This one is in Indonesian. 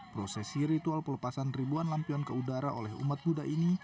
prosesi ritual pelepasan ribuan lampion ke udara oleh umat buddha ini